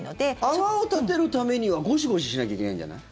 泡を立てるためにはゴシゴシしなきゃいけないんじゃない？